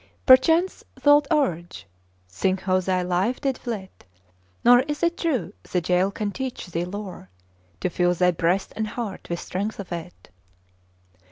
Perchance thou'lt urge: "Think how thy life did flit; Nor is it true the jail can teach thee lore, To fill thy breast and heart with strength of it!"